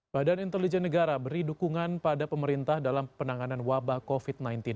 badan intelijen negara beri dukungan pada pemerintah dalam penanganan wabah covid sembilan belas